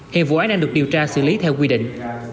hiện vụ án đang được điều tra xử lý theo quy định